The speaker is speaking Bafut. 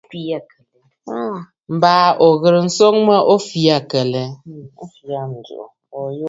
Baa ò ghɨ̀rə nswoŋ mə o fɛ̀ʼ̀ɛ̀ aa a lɛ kə lɛ?